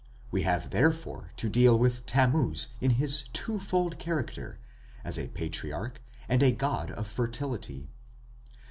We have therefore to deal with Tammuz in his twofold character as a patriarch and a god of fertility.